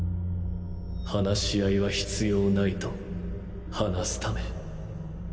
話し合いは必要無いと話すため。